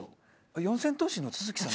四千頭身の都築さん？